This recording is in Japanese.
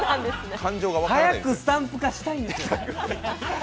早くスタンプ化したいんですよ。